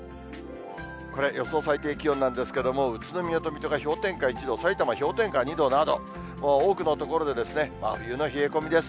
これ、予想最低気温なんですけれども、宇都宮と水戸が氷点下１度、さいたま氷点下２度など、多くの所で真冬の冷え込みです。